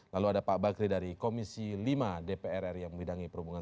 lalu ada pak bakri dari komisi lima dprr yang mengidangi perhubungan